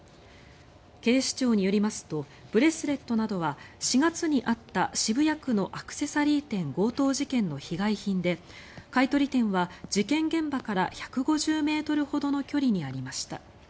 警視庁によりますとブレスレットなどは４月にあった渋谷区のアクセサリー店強盗事件の被害品で買い取り店は事件現場から１５０ｍほどの距離にありました。